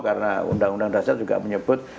karena undang undang dasar juga menyebut